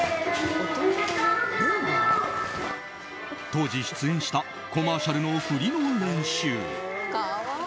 当時出演したコマーシャルの振りの練習。